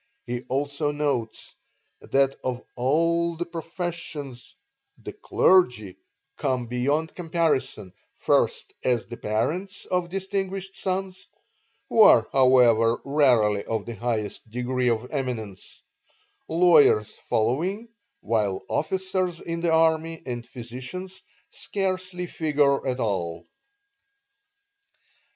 He also notes that of all the professions the clergy come beyond comparison first as the parents of distinguished sons (who are, however, rarely of the highest degree of eminence), lawyers following, while officers in the army and physicians scarcely figure at all.